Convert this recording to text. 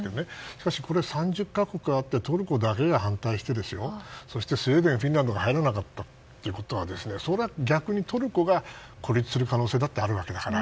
しかしこれ、３０か国あってトルコだけが反対してスウェーデン、フィンランドが入らなかったということは逆にトルコが孤立する可能性だってあるわけだから。